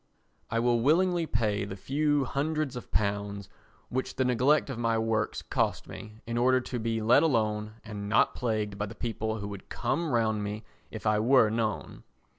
I will willingly pay the few hundreds of pounds which the neglect of my works costs me in order to be let alone and not plagued by the people who would come round me if I were known.